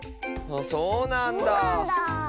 そうなんだ。